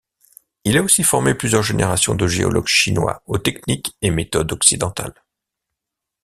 Il a aussi formé plusieurs générations de géologues chinois aux techniques et méthodes occidentales.